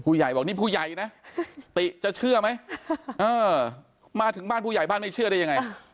ใหญ่บอกนี่ผู้ใหญ่นะติจะเชื่อไหมมาถึงบ้านผู้ใหญ่บ้านไม่เชื่อได้ยังไง